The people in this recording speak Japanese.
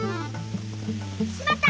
しまった！